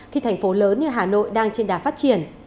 khi thành phố lớn như hà nội đang trên đà phát triển